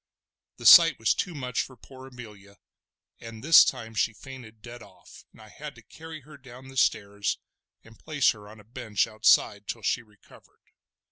The sight was too much for poor Amelia, and this time she fainted dead off, and I had to carry her down the stairs, and place her on a bench outside till she recovered.